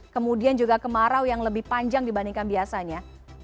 kemudian juga kemarau yang lebih panjang dibandingkan biasanya